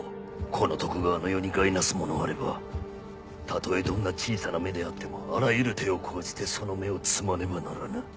この徳川の世に害なすものあればたとえどんな小さな芽であってもあらゆる手を講じてその芽を摘まねばならぬ。